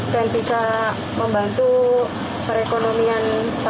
dan bisa membantu perekonomiannya